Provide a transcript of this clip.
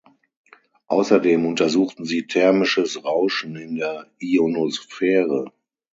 Außerdem untersuchten sie thermisches Rauschen in der Ionosphäre.